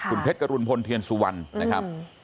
คุณเพชรกรุณพลเทียนสุวรรณนะครับ